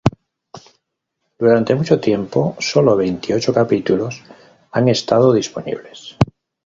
Durante mucho tiempo sólo veintiocho capítulos han estado disponibles.